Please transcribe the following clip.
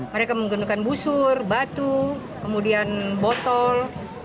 mereka menggunakan busur batu kemudian botol